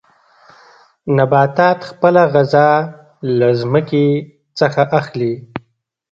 نباتات خپله غذا له ځمکې څخه اخلي.